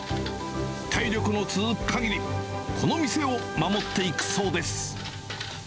体力の続くかぎり、この店を守っていくそうです。